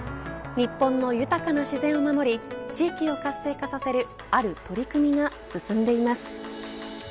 日本の豊かな自然を守り地域を活性化させるある取り組みが進んでいます。